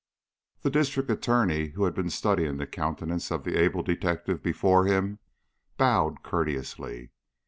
The District Attorney, who had been studying the countenance of the able detective before him, bowed courteously.